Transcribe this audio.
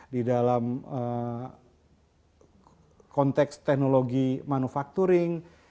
di dalam konteks teknologi manufacturing